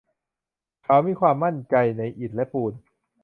เขามีความมั่นใจในอิฐและปูน